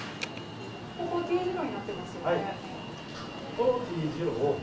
ここ、Ｔ字路になってますよね。